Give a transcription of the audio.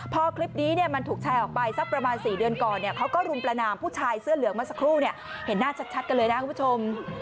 พอคลิปนี้มันถูกแชร์ออกไปสักประมาณ๔เดือนก่อนเขาก็รุมประนามผู้ชายเสื้อเหลืองเมื่อสักครู่เห็นหน้าชัดกันเลยนะคุณผู้ชม